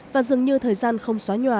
và dường như thời gian không xóa nhòa